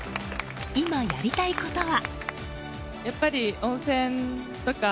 今、やりたいことは？